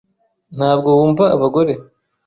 Ntabwo wumva abagore, .